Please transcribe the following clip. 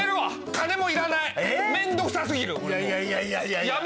いやいや！